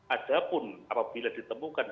adapun apabila ditemukan